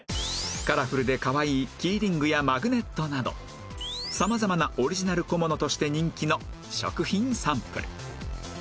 カラフルでかわいいキーリングやマグネットなど様々なオリジナル小物として人気の食品サンプル